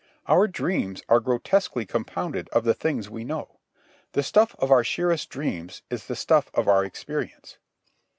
Our dreams are grotesquely compounded of the things we know. The stuff of our sheerest dreams is the stuff of our experience.